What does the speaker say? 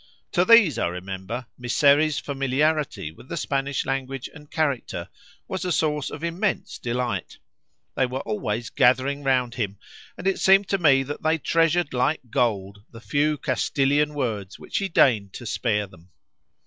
To these, I remember, Mysseri's familiarity with the Spanish language and character was a source of immense delight; they were always gathering around him, and it seemed to me that they treasured like gold the few Castilian words which he deigned to spare them.